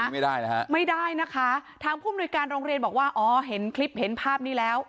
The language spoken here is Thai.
ไม่ได้นะฮะไม่ได้นะคะทางผู้มนุยการโรงเรียนบอกว่าอ๋อเห็นคลิปเห็นภาพนี้แล้ว